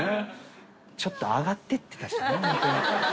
ちょっと上がって行ってたしね。